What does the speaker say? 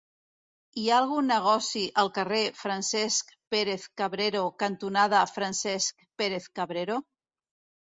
Hi ha algun negoci al carrer Francesc Pérez-Cabrero cantonada Francesc Pérez-Cabrero?